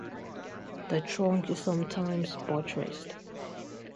The trunk is sometimes buttressed.